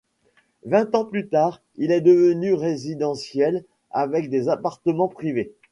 Vingt ans plus tard, il est devenu résidentiel avec des appartements privés.